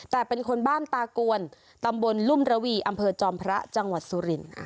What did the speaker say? แต่เป็นคนบ้านตากวนตำบลลุ่มระวีอำเภอจอมพระจังหวัดสุรินทร์